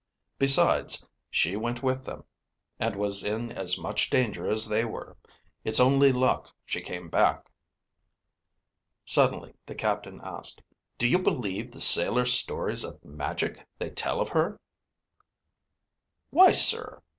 Besides, she went with them, and was in as much danger as they were. It's only luck she came back." Suddenly the captain asked, "Do you believe the sailor's stories of magic they tell of her?" "Why, sir?"